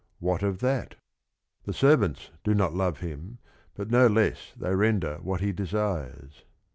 What of that ? The servants do not love him, but no less they render what he desires.